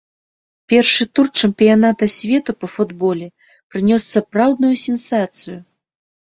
Першы тур чэмпіяната свету па футболе прынёс сапраўдную сенсацыю.